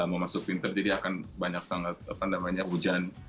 memasuk winter jadi akan banyak sangat apa namanya hujan